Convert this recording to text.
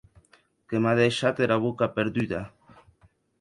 Que m’a deishat era boca perduda.